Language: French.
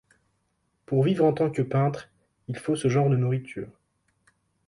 Pour vivre en tant que peintre, il faut ce genre de nourriture.